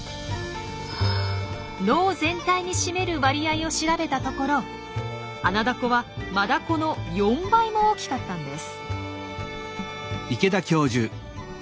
脳全体に占める割合を調べたところアナダコはマダコの４倍も大きかったんです。